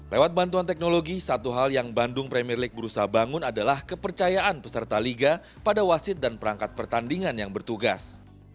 lewat bantuan teknologi satu hal yang bandung premier league berusaha bangun adalah kepercayaan peserta liga pada wasit dan perangkat pertandingan yang bertugas